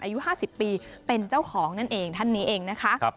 อายุ๕๐ปีเป็นเจ้าของนั่นเองท่านนี้เองนะคะ